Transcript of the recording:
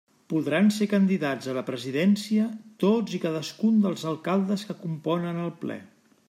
Podran ser candidats a la Presidència tots i cadascun dels alcaldes que componen el Ple.